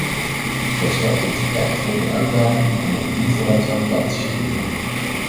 Zij stelt ons echt voor de uitdaging om op die vooruitgang te anticiperen.